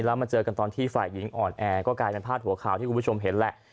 แล้วมาเจอกันตอนที่ฝ่ายหญิงอ่อนแอก็กลายเป็นพาดหัวข่าวที่คุณผู้ชมเห็นแหละ